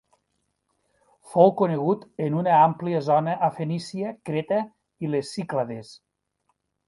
Fou conegut en una àmplia zona a Fenícia, Creta i les Cíclades.